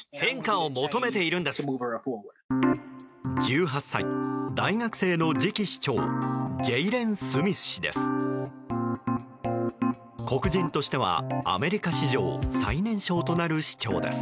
１８歳、大学生の次期市長ジェイレン・スミス氏です。